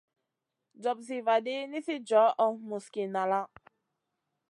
Jopsiy vaɗi, nisi johʼo musgi nala.